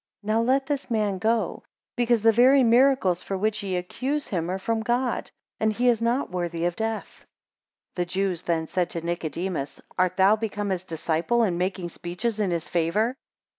7 And now let this man go; because the very miracles for which ye accuse him, are from God; and he is not worthy of death. 8 The Jews then said to Nicodemus, Art thou become his disciple, and making speeches in his favour?